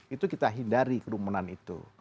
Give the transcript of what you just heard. itu kita hindari kerumunan itu